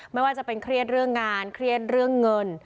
ไม่ว่าจะเป็นเครียดเรื่องงานเครียดเรื่องเงิน